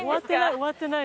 終わってない。